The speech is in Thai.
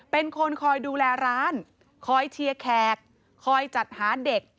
เป็นคนคอยดูแลร้านคอยเชียร์แขกคอยจัดหาเด็ก